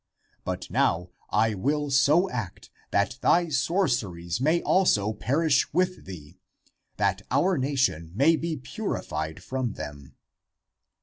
But now I will so act that thy sorceries may also perish with thee, that our nation may be purified from them.